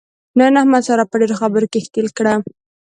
نن احمد ساره په ډېرو خبرو کې ښکېل کړله.